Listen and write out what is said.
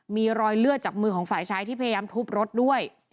มีรอยเลือดจากมือของฝ่ายชายที่พยายามทุบรถด้วย